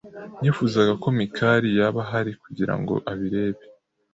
Nifuzaga ko Mikali yaba ahari kugira ngo abirebe.